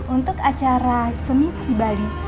untuk acara semina di bali